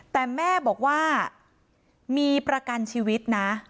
แต่แม่บอกว่ามีประกันชีวิตนะ